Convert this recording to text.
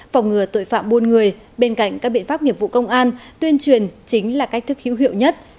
phòng ngừa tội phạm buôn người bên cạnh các biện pháp nghiệp vụ công an tuyên truyền chính là cách thức hữu hiệu nhất